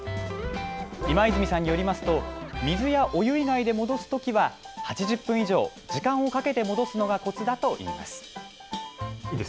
今泉さんによりますと水やお湯以外で戻すときは８０分以上、時間をかけて戻すのがこつだといいます。